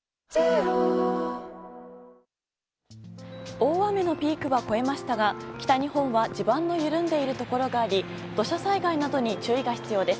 大雨のピークは越えましたが北日本は地盤の緩んでいるところがあり土砂災害などに注意が必要です。